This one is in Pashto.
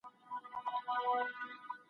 د نبوت مقام د بشري پرګنو د برتري نښه ده.